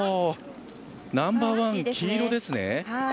ナンバーワン、黄色ですね。